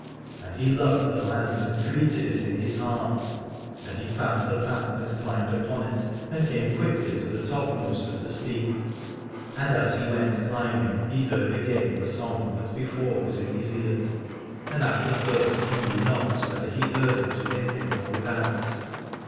And he loved the land and greeted it in his heart ; and he found the path and climbed upon it, and came quickly to the topmost of the Steep. And as he went climbing, he heard again the song that before was in his ears, and at the first he knew not whether he heard it within him or without.